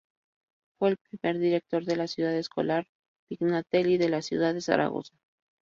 Fue el primer director de la Ciudad Escolar Pignatelli de la ciudad de Zaragoza.